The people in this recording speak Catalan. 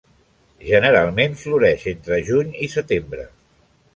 Generalment floreix entre juny i setembre.